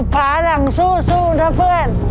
ผาหลังสู้นะเพื่อน